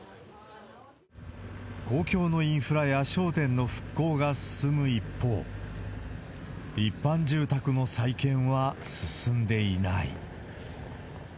公共のインフラや商店の復興が進む一方、一般住宅の再建は進んでいない。